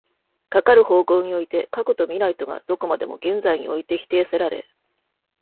かかる方向において過去と未来とがどこまでも現在において否定せられ、